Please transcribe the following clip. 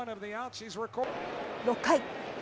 ６回。